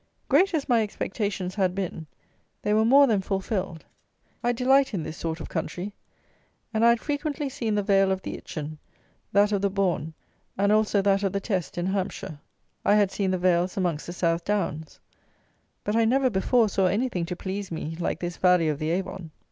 Great as my expectations had been, they were more than fulfilled. I delight in this sort of country; and I had frequently seen the vale of the Itchen, that of the Bourn, and also that of the Teste, in Hampshire; I had seen the vales amongst the South Downs; but I never before saw anything to please me like this valley of the Avon.